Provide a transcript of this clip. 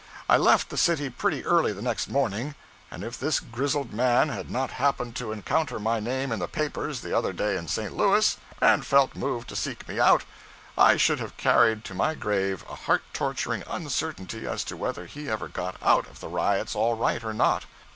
I left the city pretty early the next morning, and if this grizzled man had not happened to encounter my name in the papers the other day in St. Louis, and felt moved to seek me out, I should have carried to my grave a heart torturing uncertainty as to whether he ever got out of the riots all right or not.